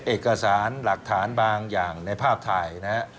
เอกสารหลักฐานบางอย่างในภาพถ่ายนะฮะ